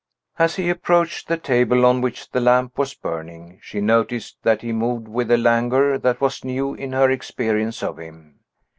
As he approached the table on which the lamp was burning, she noticed that he moved with a languor that was new in her experience of him.